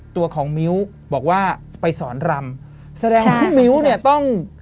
ตัวของมิ้วบอกว่าไปสอนรำแสดงว่าพี่มิ้วเนี่ยต้อง